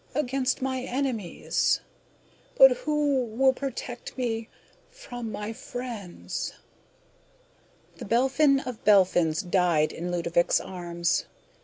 against my enemies ... but who will protect me ... from my friends'...?" The Belphin of Belphins died in Ludovick's arms.